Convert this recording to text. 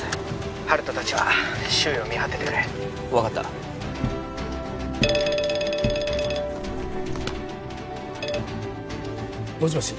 温人達は周囲を見張っててくれ分かったもしもし？